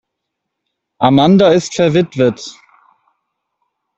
Amanda ist verwitwet.